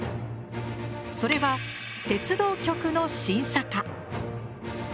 それは鉄道局の審査課。